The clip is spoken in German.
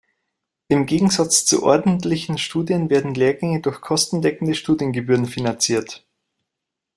Im Gegensatz zu ordentlichen Studien werden Lehrgänge durch kostendeckende Studiengebühren finanziert.